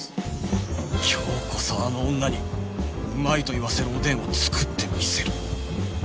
今日こそあの女にうまいと言わせるおでんを作ってみせる！